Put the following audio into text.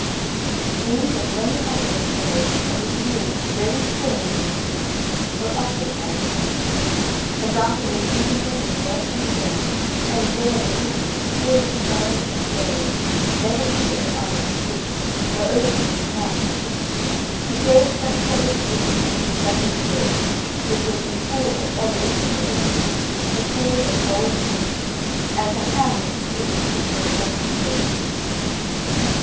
These and many other exclamations that would move the very stones in the streets, were uttered by the Prince; and after repeating them again and again, and wailing bitterly, full of sorrow and woe, never shutting an eye to sleep, nor opening his mouth to eat, he gave such way to grief, that his face, which was before of oriental vermilion, became of gold paint, and the ham of his lips became rusty bacon.